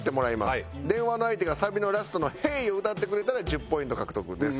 電話の相手がサビのラストの「Ｈｅｙ」を歌ってくれたら１０ポイント獲得です。